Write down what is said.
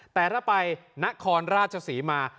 แต่ถ้าไปณคอนราชสีมา